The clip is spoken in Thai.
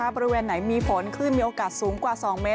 บริเวณไหนมีฝนคลื่นมีโอกาสสูงกว่า๒เมตร